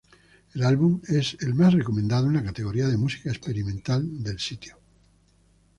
El álbum es el más recomendado en la categoría de música experimental del sitio.